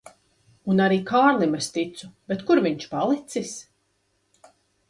Un arī Kārlim es ticu, bet kur viņš palicis?